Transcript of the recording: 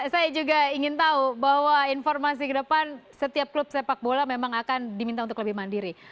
saya juga ingin tahu bahwa informasi ke depan setiap klub sepak bola memang akan diminta untuk lebih mandiri